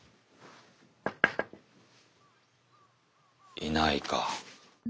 いないか。